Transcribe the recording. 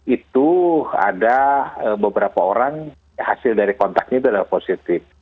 itu ada beberapa orang hasil dari kontaknya itu adalah positif